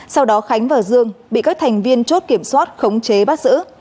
sau đó khánh và dương bị các thành viên chốt kiểm soát khống chế bắt giữ